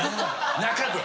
中で？